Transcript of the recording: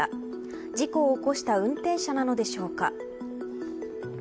事故を起こした運転者なのでしょうか。